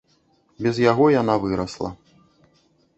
Без яго яна вырасла.